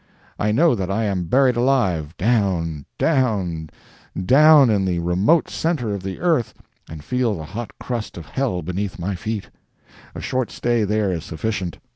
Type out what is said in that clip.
I know that I am buried alive, down, down, down in the remote centre of the earth and feel the hot crust of hell beneath my feet! A short stay there is sufficient.